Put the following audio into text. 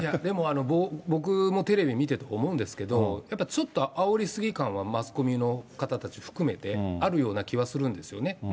でも、僕もテレビ見てて思うんですけど、やっぱりちょっとあおり過ぎ感は、マスコミも方たち含めて、あるような気はするんですよね。